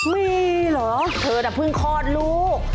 มีเหรอเธอน่ะเพิ่งคลอดลูก